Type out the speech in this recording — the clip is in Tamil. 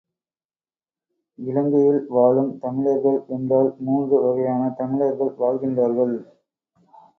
இலங்கையில் வாழும் தமிழர்கள் என்றால் மூன்று வகையான தமிழர்கள் வாழ்கின்றார்கள்.